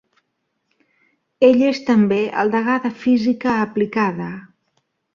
Ell és també el degà de Física Aplicada.